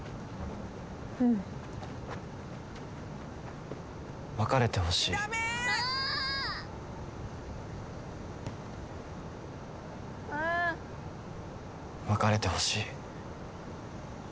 「うん」「別れてほしい」「別れてほしい」